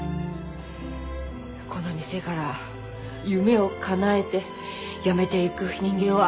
この店から夢をかなえてやめていく人間は。